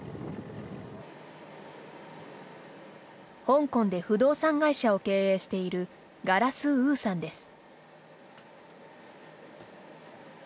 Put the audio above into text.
香港で不動産会社を経営しているガラス・ウーさんです。